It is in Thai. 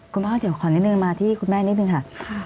คุณพ่อเดี๋ยวขอนิดนึงมาที่คุณแม่นิดนึงค่ะ